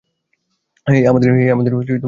হেই, আমাদের ছুরির প্রয়োজন নেই।